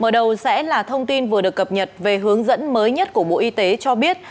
mở đầu sẽ là thông tin vừa được cập nhật về hướng dẫn mới nhất của bộ y tế cho biết